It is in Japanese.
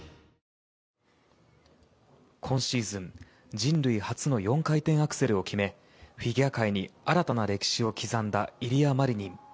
人類初の４回転アクセルを決めフィギュア界に新たな歴史を刻んだイリア・マリニン。